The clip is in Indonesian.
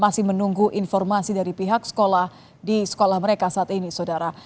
dan ini juga menunggu informasi dari pihak sekolah di sekolah mereka saat ini saudara